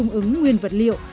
nguồn cung ứng nguyên vật liệu